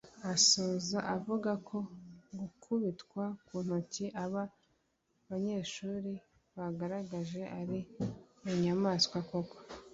Asoza avuga ko gukubitwa ku ntoki aba banyeshuri bagaragaje ari ubunyamaswa koko